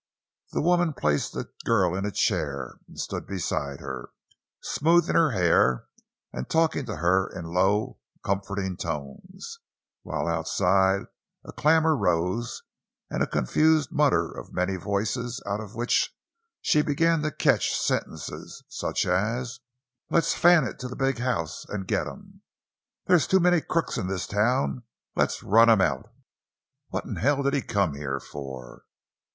The woman placed the girl in a chair, and stood beside her, smoothing her hair and talking to her in low, comforting tones; while outside a clamor rose and a confused mutter of many voices out of which she began to catch sentences, such as: "Let's fan it to the big house an' git him!" "There's too many crooks in this town—let's run 'em out!" "What in hell did he come here for?"